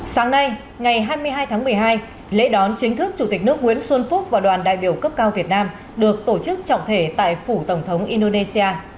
sáng nay ngày hai mươi hai tháng một mươi hai lễ đón chính thức chủ tịch nước nguyễn xuân phúc và đoàn đại biểu cấp cao việt nam được tổ chức trọng thể tại phủ tổng thống indonesia